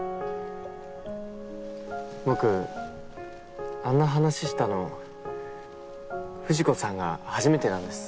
僕あんな話したの藤子さんが初めてなんです。